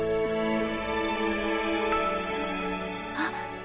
あっ。